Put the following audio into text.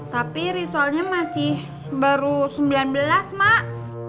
tapi result nya masih baru sembilan belas mak